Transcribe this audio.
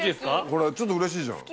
これちょっとうれしいじゃん。